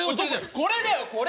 これだよこれ！